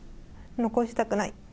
残したくない。